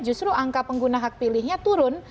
justru angka pengguna hak pilihnya turun